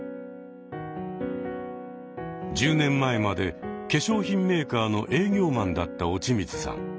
１０年前まで化粧品メーカーの営業マンだった落水さん。